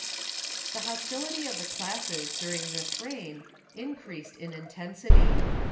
The hostility of the classes during this reign increased in intensity.